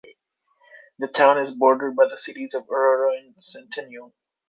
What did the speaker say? The town is bordered by the cities of Aurora and Centennial.